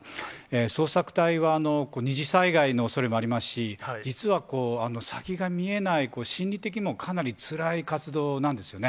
捜索隊は、二次災害のおそれもありますし、実は先が見えない、心理的にもかなりつらい活動なんですよね。